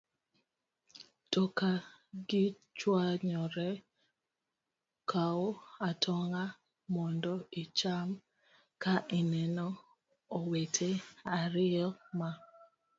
To ka gichwanyore, kaw atonga mondo icham. Ka ineno owete ariyo ma